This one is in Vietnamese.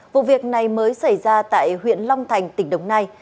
vụ việc này mới xảy ra tại huyện long thành tỉnh đồng nai